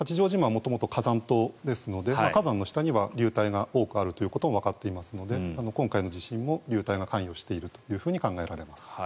元々、火山島ですので火山の下には流体が多くあることもわかっていますので今回の地震も流体が関与していると考えられます。